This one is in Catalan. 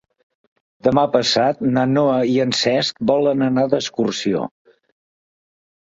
Demà passat na Noa i en Cesc volen anar d'excursió.